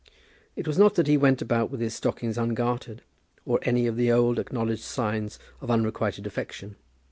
It was not that he went about with his stockings ungartered, or any of the old acknowledged signs of unrequited affection.